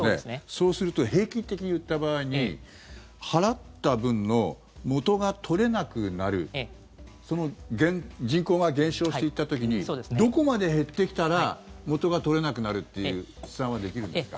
そうすると平均的に言った場合に払った分の元が取れなくなる人口が減少していった時にどこまで減ってきたら元が取れなくなるっていう試算はできるんですか？